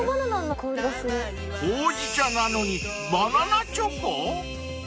［ほうじ茶なのにバナナチョコ？］